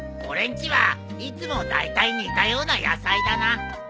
俺んちはいつもだいたい似たような野菜だな。